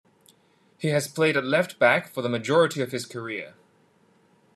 He has played at left back for the majority of his career.